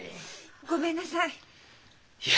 ごめんなさい。